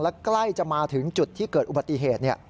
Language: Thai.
และใกล้จะมาถึงจุดที่เกิดอุบัติเหตุ